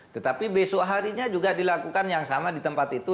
tetapi besok harinya juga dilakukan yang sama di tempat itu